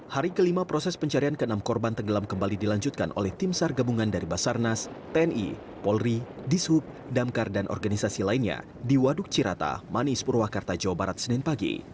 hari kelima proses pencarian ke enam korban tenggelam kembali dilanjutkan oleh tim sar gabungan dari basarnas tni polri dishub damkar dan organisasi lainnya di waduk cirata manis purwakarta jawa barat senin pagi